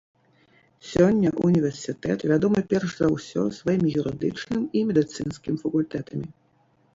Сёння універсітэт вядомы перш за ўсё сваімі юрыдычным і медыцынскім факультэтамі.